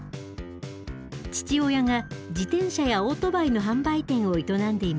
父親が自転車やオートバイの販売店を営んでいました。